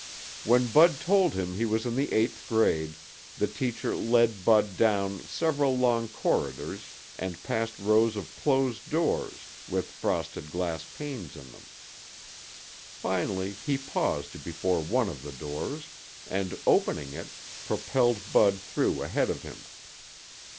When Bud told him he was in the eighth grade, the teacher led Bud down several long corridors and past rows of closed doors with frosted glass panes in them. Finally he paused before one of the doors and, opening it, propelled Bud through ahead of him.